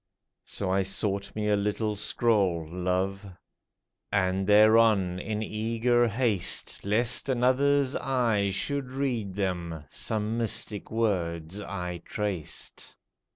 So I sought me a little scroll, love ; And thereon, in eager haste, l60 A SECRET Lest another's eye should read them ^ Some mystic words I traced.